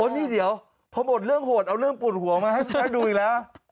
โอ้นี่เดี๋ยวพบบทเรื่องโหดเอาเรื่องปูดหัวมาให้ดูอีกแล้ว